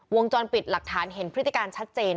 วงจรปิดหลักฐานเห็นพฤติการชัดเจน